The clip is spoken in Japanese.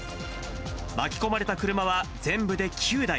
巻き込まれた車は全部で９台。